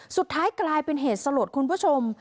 สุดท้ายกลายเป็นเหตุสลดคุณผู้ชม